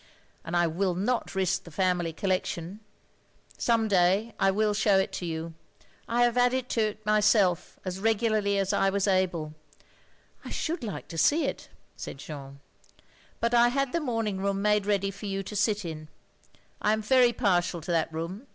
And I will not risk the family collection. Some day I will show it to you. I have added to it myself, as regularly as I was able." " I should like to see it, " said Jeanne. "But I had the morning room made ready for you to sit in. I am very partial to that room.